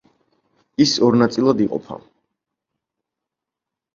ის ორ ნაწილად იყოფა.